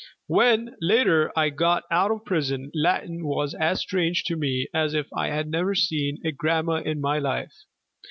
When, later, I got out of prison Latin was as strange to me as if I had never seen a grammar in my life.